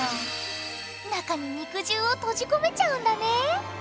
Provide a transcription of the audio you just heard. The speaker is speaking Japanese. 中に肉汁を閉じ込めちゃうんだね。